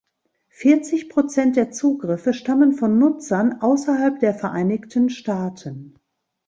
Vierzig Prozent der Zugriffe stammen von Nutzern außerhalb der Vereinigten Staaten.